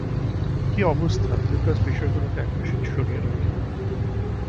"কী অবস্থা?" লুকাস বিষয়গুলোকে একপাশে সরিয়ে রাখে।